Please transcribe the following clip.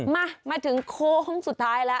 มาถึงโค้งสุดท้ายแล้ว